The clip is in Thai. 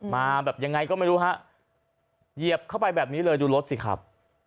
มาแบบยังไงก็ไม่รู้ฮะเหยียบเข้าไปแบบนี้เลยดูรถสิครับ